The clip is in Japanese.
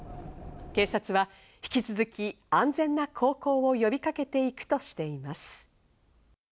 警察は引き続き、安全な航行を呼びかけていくとしています。